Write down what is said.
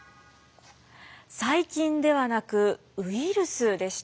細菌ではなくウイルスでした。